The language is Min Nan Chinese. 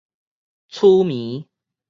此暝